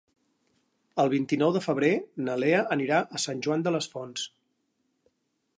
El vint-i-nou de febrer na Lea anirà a Sant Joan les Fonts.